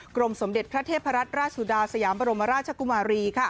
กรมสมเด็จพระเทพรัตนราชสุดาสยามบรมราชกุมารี